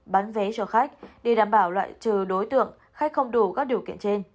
bán vé cho khách để đảm bảo loại trừ đối tượng khách không đủ các điều kiện trên